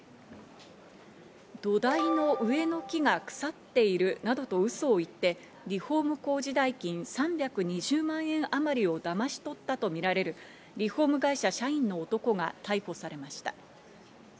土台の上の木が腐っているなどとウソを言って、リフォーム工事代金３２０万円あまりをだまし取ったとみられるリフォーム会社社員の男が逮捕されました。